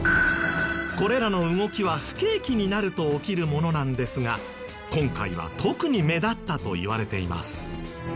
これらの動きは不景気になると起きるものなんですが今回は特に目立ったといわれています。